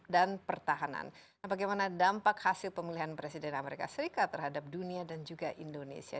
dan pertahanan bagaimana dampak hasil pemulihan presiden amerika serikat terhadap dunia dan juga indonesia